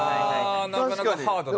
あなかなかハードな。